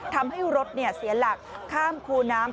ทำให้รถเสียหลักข้ามคูน้ำ